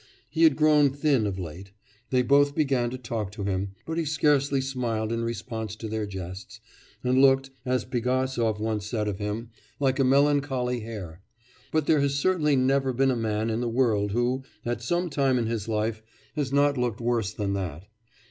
He had grown thin of late. They both began to talk to him, but he scarcely smiled in response to their jests, and looked, as Pigasov once said of him, like a melancholy hare. But there has certainly never been a man in the world who, at some time in his life, has not looked worse than that.